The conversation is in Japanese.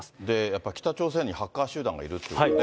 やっぱ北朝鮮にハッカー集団がいるっていうことで。